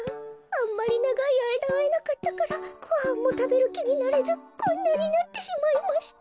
あんまりながいあいだあえなかったからごはんもたべるきになれずこんなになってしまいました。